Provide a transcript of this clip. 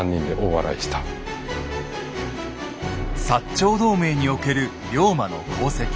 長同盟における龍馬の功績。